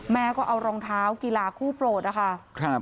แม่ก็เอารองเท้ากีฬาคู่โปรดนะคะ